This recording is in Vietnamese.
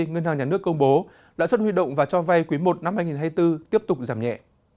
ngân hàng nhà nước công bố lãi suất huy động và cho vay quý i năm hai nghìn hai mươi bốn tiếp tục giảm nhẹ